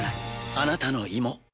あなたの胃も。